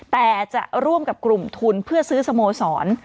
แต่จะร่วมกับกลุ่มทุนเพื่อซื้อสโมสร